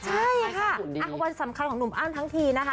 ใช่ค่ะวันสำคัญของหนุ่มอ้ำทั้งทีนะคะ